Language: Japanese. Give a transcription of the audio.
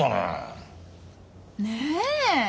ねえ。